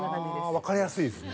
わかりやすいですね。